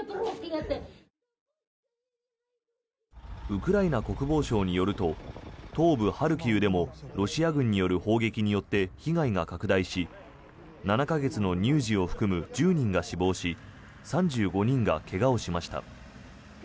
ウクライナ国防省によると東部ハルキウでもロシア軍による砲撃によって被害が拡大し７か月の乳児を含む１０人が死亡し３５人が怪我をしました。